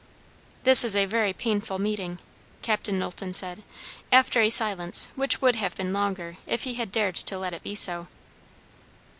"This is a very painful meeting" Captain Knowlton said, after a silence which would have been longer if he had dared to let it be so.